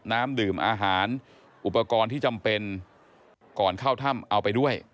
น้ำดื่มอาหารอุปกรณ์ที่จำเป็นก่อนเข้าถ้ำเอาไปด้วย